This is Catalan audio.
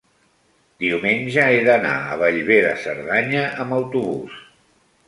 diumenge he d'anar a Bellver de Cerdanya amb autobús.